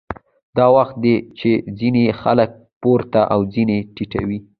دا وخت دی چې ځینې خلک پورته او ځینې ټیټوي